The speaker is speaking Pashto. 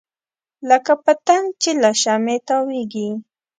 لکه پتنګ چې له شمعې تاویږي.